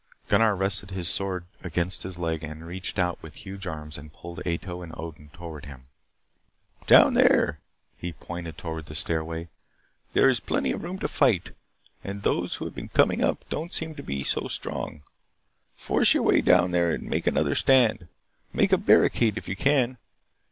Gunnar rested his sword against his leg and reached out with huge arms and pulled Ato and Odin toward him. "Down there," he pointed toward the stairway. "There is plenty of room to fight, and those who have been coming up don't seem to be so strong. Force your way down there and make another stand. Make a barricade if you can.